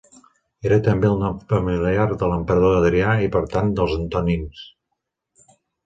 Era també el nom familiar de l'emperador Adrià i per tant dels Antonins.